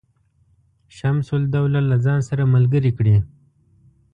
شمس الدوله له ځان سره ملګري کړي.